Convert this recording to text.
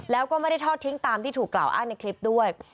แล้วก็ไม่ได้ทอดทิ้งตามที่ถูกกล่าวอ้างในคลิปด้วย